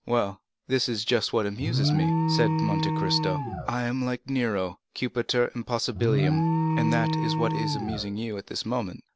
"Well, this is just what amuses me," said Monte Cristo. "I am like Nero—cupitor impossibilium; and that is what is amusing you at this moment.